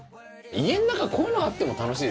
家の中こういうのあっても楽しいですね。